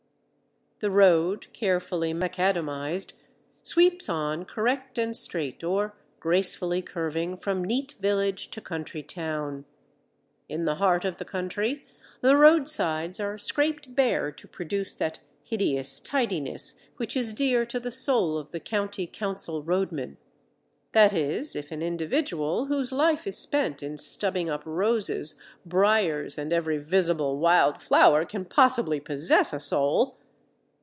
" The road, carefully macadamized, sweeps on correct and straight or gracefully curving from neat village to countrytown. In the heart of the country the roadsides are scraped bare to produce that hideous tidiness which is dear to the soul of the County Council roadman. That is if an individual whose life is spent in stubbing up roses, briers, and every visible wild flower, can possibly possess a soul!